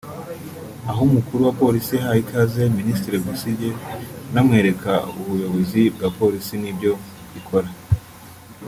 aho umukuru wa Polisi yahaye ikaze Minisitiri Busingye anamwereka ubuyobozi bwa Polisi n’ibyo ikora